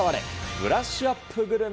ブラッシュアップグルメ。